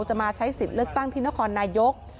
จะมาใช้สิทธิ์เลือกตั้งที่นครนายก